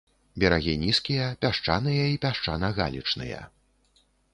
Берагі нізкія, пясчаныя і пясчана-галечныя.